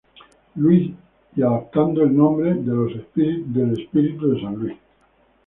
Louis, y adoptando el nombre de los Spirits of St.